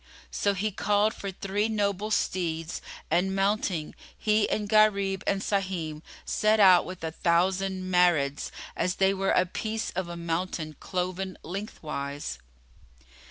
So he called for three noble steeds and mounting, he and Gharib and Sahim, set out with a thousand Marids, as they were a piece of a mountain cloven lengthwise.